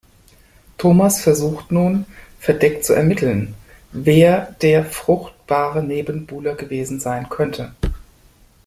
Thomas versucht nun, verdeckt zu ermitteln, wer der fruchtbare Nebenbuhler gewesen sein könnte.